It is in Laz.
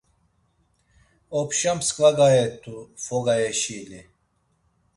Opşa msǩva gayetu foga yeşili.